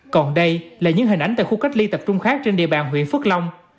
còn đây là những hình ảnh tại khu cách ly tập trung khác trên địa bàn huyện phước long